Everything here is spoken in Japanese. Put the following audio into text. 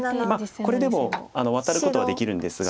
これでもワタることはできるんですが。